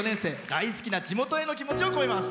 大好きな地元への気持ちを込めます。